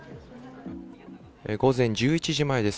午前１１時前です。